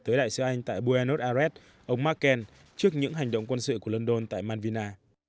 tới đại sứ anh tại buenos aires ông marken trước những hành động quân sự của london tại manvina